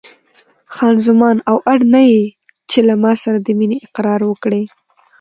خان زمان: او اړ نه یې چې له ما سره د مینې اقرار وکړې.